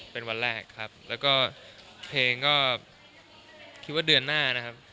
เป็นวันแรกครับแล้วก็เพลงก็คิดว่าเดือนหน้านะครับ